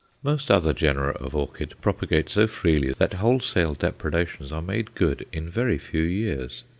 Most other genera of orchid propagate so freely that wholesale depredations are made good in very few years.